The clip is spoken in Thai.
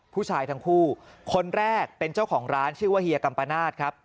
ผู้ชายทั้งคู่คนแรกเป็นเจ้าของร้านชื่อว่าเฮียกัมปนาศครับ